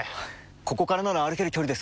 ここからなら歩ける距離です。